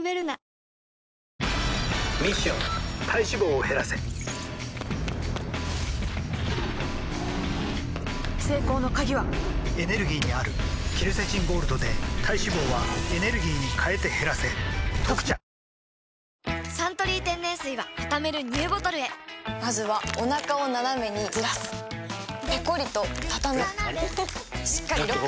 ミッション体脂肪を減らせ成功の鍵はエネルギーにあるケルセチンゴールドで体脂肪はエネルギーに変えて減らせ「特茶」「サントリー天然水」はたためるＮＥＷボトルへまずはおなかをナナメにずらすペコリ！とたたむしっかりロック！